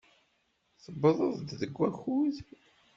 Tewwḍeḍ-d deg wakud.